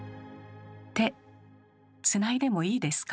「手つないでもいいですか？」。